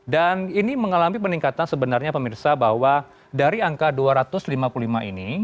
dan ini mengalami peningkatan sebenarnya pemirsa bahwa dari angka dua ratus lima puluh lima ini